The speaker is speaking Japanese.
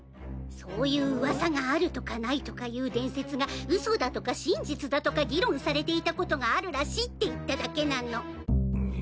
そういう噂があるとかないとかいう伝説が嘘だとか真実だとか議論されていたことがあるらしいって言っただけなの。